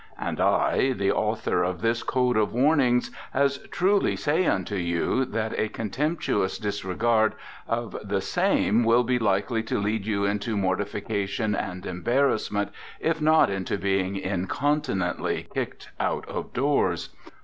And I, the author of this code of warnings, as truly say unto you, that a contemptuous disregard of the same will be likely to lead you into mortification and embarrassment, if not into being incontinently kicked out of doors.